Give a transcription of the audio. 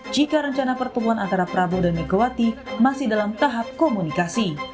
jika rencana pertemuan antara prabowo dan megawati masih dalam tahap komunikasi